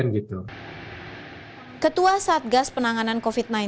ketua satgas penanganan kondisi